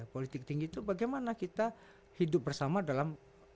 politik tinggi itu bagaimana kita hidup bersama dalam